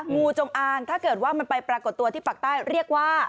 งูจงอางถ้าเกิดว่ามันไปปรากฏตัวที่ปากใต้เรียกว่า